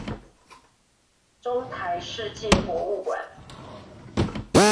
中台世界博物館